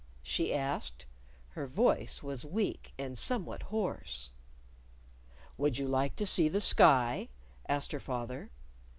she asked. Her voice was weak, and somewhat hoarse. "Would you like to see the sky?" asked her father.